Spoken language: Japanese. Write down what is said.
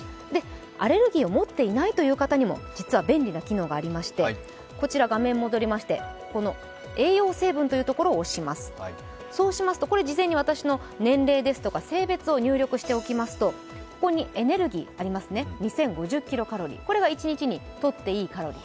アレルギーを持っていない方にも実は便利な機能がありまして、栄養成分というところを押しますと、事前に私の年齢ですとか性別を入力しておきますとエネルギー２０５０ｋｃａｌ、これが一日にとっていいカロリー。